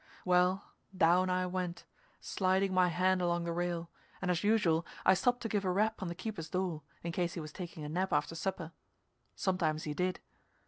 Well, down I went, sliding my hand along the rail, and as usual I stopped to give a rap on the keeper's door, in case he was taking a nap after supper. Sometimes he did.